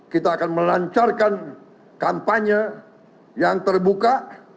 kita akan melancarkan kampanye yang terbuka